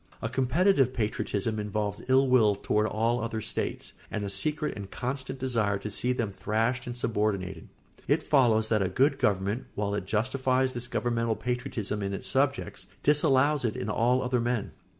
A competitive patriotism involves ill will toward all other states and a secret and constant desire to see them thrashed and subordinated. It follows that a good government, while it justifies this governmental patriotism in its subjects, disallows it in all other men.